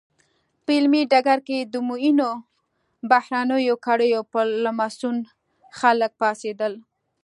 په علمي ډګر کې د معینو بهرنیو کړیو په لمسون خلک پاڅېدل.